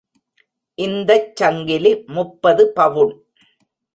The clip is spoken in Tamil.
இந்தச் சங்கிலி முப்பது பவுன்.